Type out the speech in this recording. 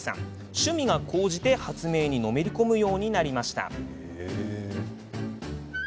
趣味が高じて発明にのめり込むようになりました。